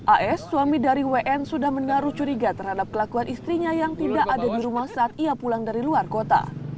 as suami dari wn sudah menaruh curiga terhadap kelakuan istrinya yang tidak ada di rumah saat ia pulang dari luar kota